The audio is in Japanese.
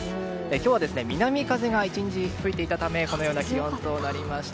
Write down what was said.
今日は南風が１日吹いていたためこのような気温となりました。